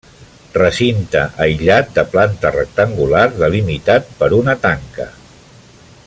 Recinte aïllat de planta rectangular delimitat per una tanca.